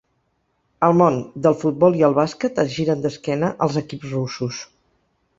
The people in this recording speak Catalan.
El món del futbol i el bàsquet es giren d’esquena als equips russos.